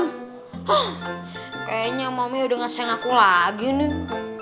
hah kayaknya momi udah gak sayang aku lagi nih